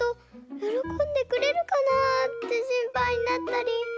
よろこんでくれるかなって心配になったり。